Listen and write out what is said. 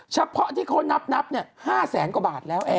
เฉพาะที่เขานับ๕แสนกว่าบาทแล้ว